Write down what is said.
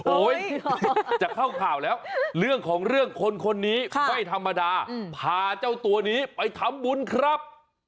จะเข้าข่าวแล้วเรื่องของเรื่องคนคนนี้ไม่ธรรมดาพาเจ้าตัวนี้ไปทำบุญครับ